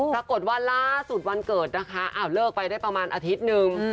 ปรากฏว่าล่าสุดวันเกิดนะคะเลิกไปได้ประมาณอาทิตย์นึง